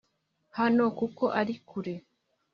hano kuko ari kure